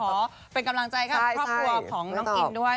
ขอเป็นกำลังใจกับครอบครัวของน้องอินด้วย